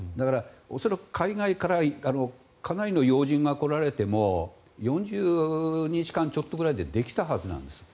恐らく海外からかなりの要人が来られても４０日間ちょっとくらいでできたはずなんです。